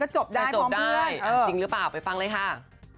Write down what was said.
จบได้ครับไปฟังเลยค่ะ